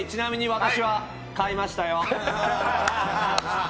私は買いました。